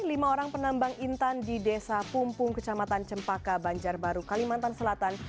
lima orang penambang intan di desa pumpung kecamatan cempaka banjarbaru kalimantan selatan